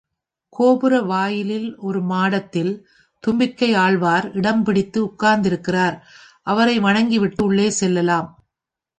கோபுர வாயிலில் ஒரு மாடத்தில் தும்பிக்கை ஆழ்வார் இடம்பிடித்து உட்கார்ந்திருக்கிறார், அவரை வணங்கிவிட்டு உள்ளே செல்லலாம்.